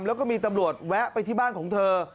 แล้วก็มีตำรวจแวะไปที่บ้านของเธอ